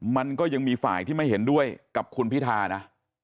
มันก็ยังมีฝ่ายที่ไม่เห็นด้วยกับคุณพิธานะ